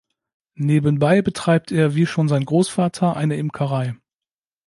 Nebenbei betreibt er wie schon sein Großvater eine Imkerei.